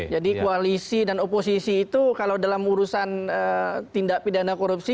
jadi koalisi dan oposisi itu kalau dalam urusan tindak pidana korupsi